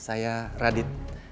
om saya radit